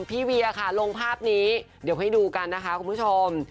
เวียค่ะลงภาพนี้เดี๋ยวให้ดูกันนะคะคุณผู้ชม